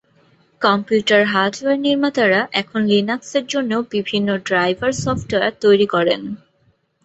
Computer hardware নির্মাতারা এখন লিনাক্সের জন্যেও বিভিন্ন ড্রাইভার সফটওয়্যার তৈরি করেন।